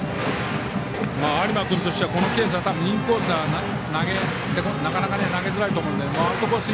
有馬君としてはこのケースインコースはなかなか投げづらいと思うのでアウトコース